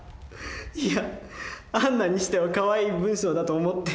いや杏奈にしてはかわいい文章だと思って。